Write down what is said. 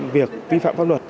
việc vi phạm pháp luật